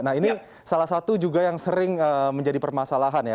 nah ini salah satu juga yang sering menjadi permasalahan ya